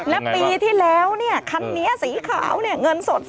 แล้วปีที่แล้วเนี่ยคันเนี้ยสีขาวเนี่ยเงินสดแสน